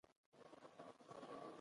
رسۍ هم ساده ده، هم مهمه.